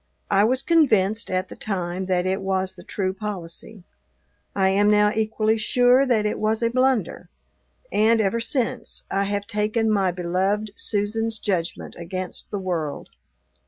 I was convinced, at the time, that it was the true policy. I am now equally sure that it was a blunder, and, ever since, I have taken my beloved Susan's judgment against the world.